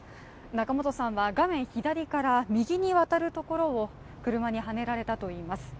仲本さんは画面左から右に渡るところを車にはねられたといいます。